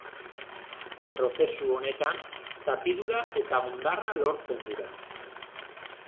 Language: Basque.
Prozesu honetan, zatidura eta hondarra lortzen dira.